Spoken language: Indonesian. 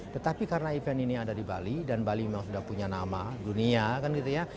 tetapi karena event ini ada di bali dan bali memang sudah punya nama dunia kan gitu ya